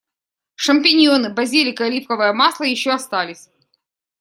Шампиньоны, базилик, и оливковое масло ещё остались.